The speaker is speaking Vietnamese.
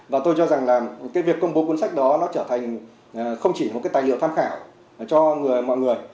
và tôi cho rằng là cái việc công bố cuốn sách đó nó trở thành không chỉ một cái tài liệu tham khảo cho mọi người